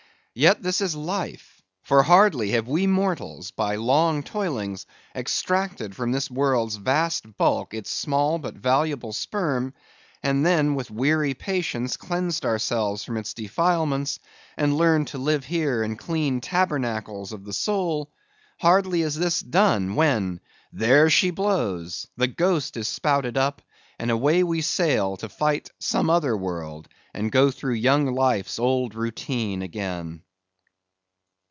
Yet this is life. For hardly have we mortals by long toilings extracted from this world's vast bulk its small but valuable sperm; and then, with weary patience, cleansed ourselves from its defilements, and learned to live here in clean tabernacles of the soul; hardly is this done, when—There she blows!—the ghost is spouted up, and away we sail to fight some other world, and go through young life's old routine again.